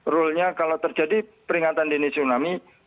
rule nya kalau terjadi peringatan dini tsunami